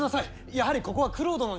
やはりここは九郎殿に。